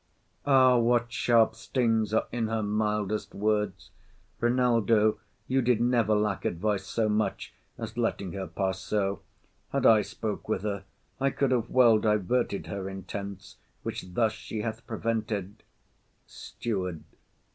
Ah, what sharp stings are in her mildest words! Rynaldo, you did never lack advice so much As letting her pass so; had I spoke with her, I could have well diverted her intents, Which thus she hath prevented. STEWARD.